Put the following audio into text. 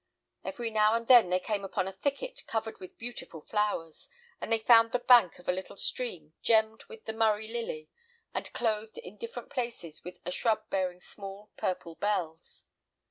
Every now and then they came upon a thicket covered with beautiful flowers, and they found the bank of a little stream gemmed with the Murray lily, and clothed in different places with a shrub bearing small purple bells.